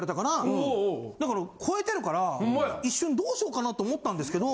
超えてるから一瞬どうしようかなと思ったんですけど。